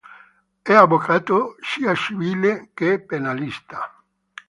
È avvocato sia civile che penalista.